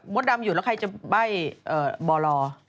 ดำอยู่แล้วใครจะใบ้บ่อล